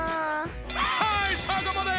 はいそこまで！